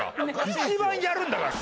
一番やるんだから。